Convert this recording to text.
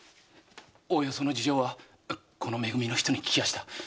おおよその事情はこのめ組の人に聞きました。